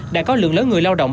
đã có lượng lớn người lao động